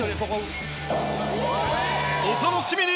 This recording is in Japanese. お楽しみに！